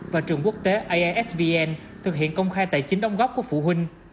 và trường quốc tế aisvn thực hiện công khai tài chính đóng góp của phụ huynh